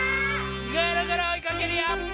ぐるぐるおいかけるよ！